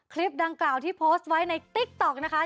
คลิปดังกล่าวที่โพสต์ไว้ในติ๊กต๊อกนะคะ